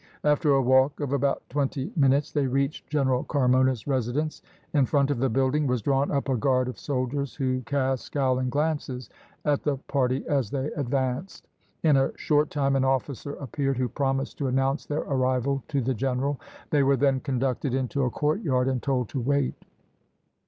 After a walk of about twenty minutes they reached General Carmona's residence. In front of the building was drawn up a guard of soldiers, who cast scowling glances at the party as they advanced. In a short time an officer appeared, who promised to announce their arrival to the general. They were then conducted into a courtyard, and told to wait.